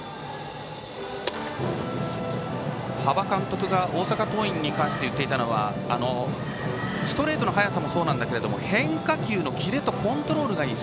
端場監督が大阪桐蔭に関して言っていたのはストレートの速さもそうだけども変化球のキレとコントロールがいい。